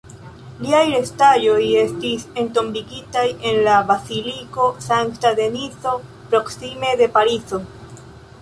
Liaj restaĵoj estis entombigitaj en la baziliko Sankta Denizo, proksime de Parizo.